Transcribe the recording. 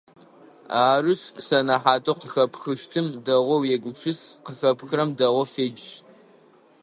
Арышъ, сэнэхьатэу къыхэпхыщтым дэгъоу егупшыс, къыхэпхрэм дэгъоу федж!